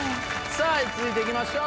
さぁ続いていきましょう。